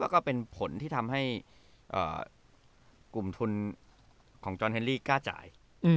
กลุ่มทุนของจอร์นเฮนรี่กล้าจ่าย